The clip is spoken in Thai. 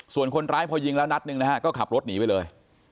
ส่วนคนร้ายพอยิงแล้วนัดหนึ่งนะฮะก็ขับรถหนีไปเลย